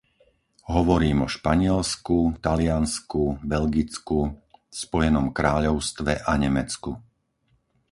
Hovorím o Španielsku, Taliansku, Belgicku, Spojenom kráľovstve a Nemecku.